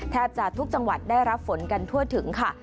แทบจะทุกจังหวัดได้รับฝนกันทั่วถึงค่ะ